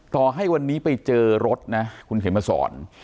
ต่อให้วันนี้ไปเจอรถนะคุณเขียนมาสอน